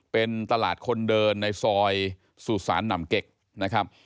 เป็นตลาดคนเดินในซอยสุสานหนำเกร็กนะครับ